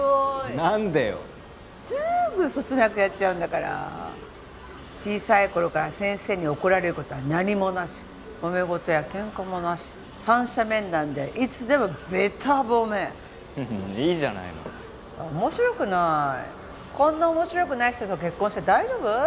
何でよすぐそつなくやっちゃうんだから小さい頃から先生に怒られることは何もなしもめごとやケンカもなし三者面談でいつでもベタ褒めいいじゃないの面白くないこんな面白くない人と結婚して大丈夫？